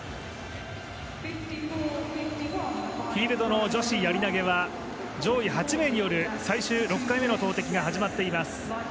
フィールドの女子やり投げは上位８名による最終６回目の投てきが始まっています。